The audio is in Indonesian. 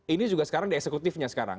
ini juga sekarang di eksekutifnya sekarang